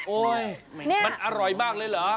โอ๊ยมันอร่อยมากเลยเหรอ